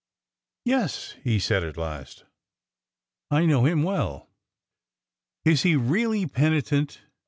"Yes," he said at last, "I know him well." "Is he really penitent?"